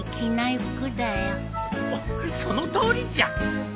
おっそのとおりじゃ。